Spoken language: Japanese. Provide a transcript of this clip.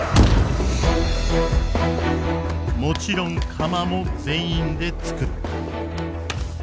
もちろん釜も全員でつくる。